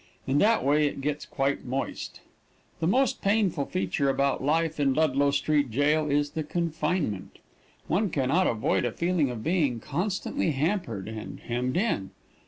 In that way it gets quite moist. The most painful feature about life in Ludlow Street Jail is the confinement. One can not avoid a feeling of being constantly hampered and hemmed in.